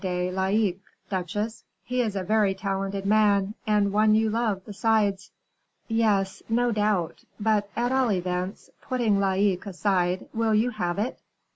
de Laicques, duchesse? He is a very talented man, and one you love, besides." "Yes, no doubt; but, at all events, putting Laicques aside, will you have it?"